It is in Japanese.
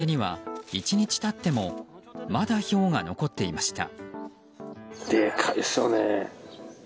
こちらの畑には１日経ってもまだ、ひょうが残っていました。